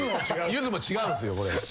ゆずも違うんすよこれ。